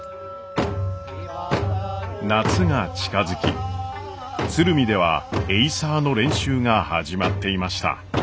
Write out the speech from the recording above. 夏が近づき鶴見ではエイサーの練習が始まっていました。